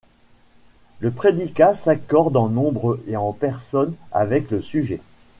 Le prédicat s’accorde en nombre et en personne avec le sujet.